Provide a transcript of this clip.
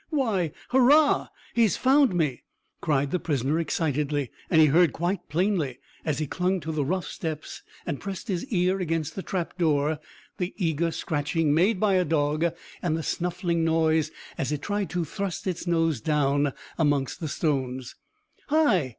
"Why hurrah! He has found me!" cried the prisoner excitedly; and he heard quite plainly, as he clung to the rough steps and pressed his ear against the trap door, the eager scratching made by a dog, and the snuffling noise as it tried to thrust its nose down amongst the stones. "Hi!